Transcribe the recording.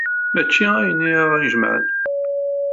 Maca ayen i aɣ-ijemɛen.